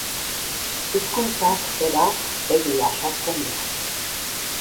Hizkuntzak, beraz, egia sortzen du.